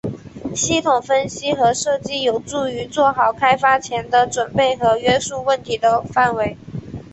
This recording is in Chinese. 系统分析和设计有助于做好开发前的准备和约束问题的范围。